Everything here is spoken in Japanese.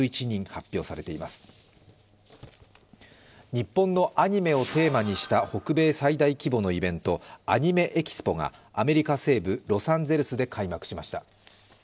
日本のアニメをテーマにした北米最大規模のイベント、アニメ・エキスポがアメリカ西部ロサンゼルスで開幕しました。